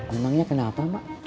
emangnya kenapa mak